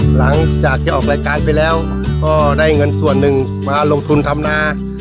หลังจากที่ออกรายการไปแล้วก็ได้เงินส่วนหนึ่งมาลงทุนทำนา